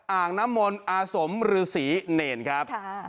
อ่างน้ำมนต์อาสมหรือศรีเน่นครับ